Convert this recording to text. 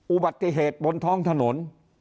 อุบัติเหตุบนท้องถนน